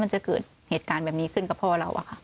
จะเกิดเหตุการณ์แบบนี้ขึ้นกับพ่อเราอะค่ะ